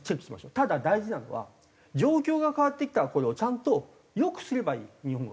ただ大事なのは状況が変わってきたこれをちゃんと良くすればいい日本は。